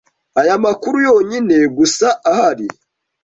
aya makuru yonyine gusa ahari